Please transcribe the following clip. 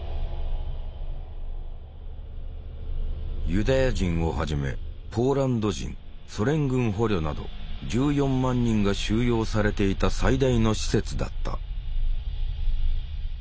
ユダヤ人をはじめポーランド人ソ連軍捕虜など１４万人が収容されていた最大の施設だった。